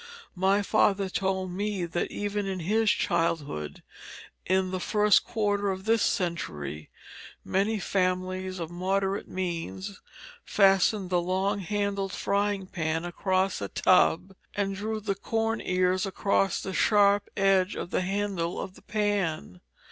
My father told me that even in his childhood in the first quarter of this century many families of moderate means fastened the long handled frying pan across a tub and drew the corn ears across the sharp edge of the handle of the pan.